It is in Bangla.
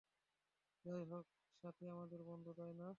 যাইহোক স্বাতী আমাদের বন্ধু, তাই না?